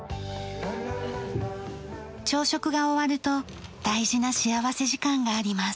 朝食が終わると大事な幸福時間があります。